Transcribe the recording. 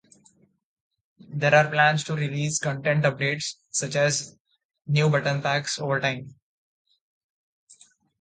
There are plans to release content updates, such as new button packs, over time.